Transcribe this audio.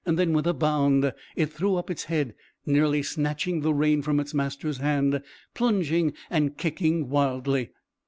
Then with a bound it threw up its head, nearly snatching the rein from its master's hand, plunging and kicking wildly.